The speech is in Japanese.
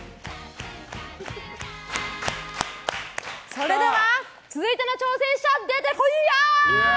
それでは、続いての挑戦者出てこいや！